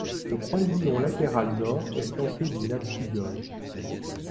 Le croisillon latéral nord est flanqué d'une absidiole.